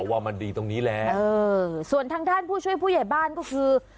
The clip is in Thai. ว่ามันดีตรงนี้แหละเออส่วนทางด้านผู้ช่วยผู้ใหญ่บ้านก็คือ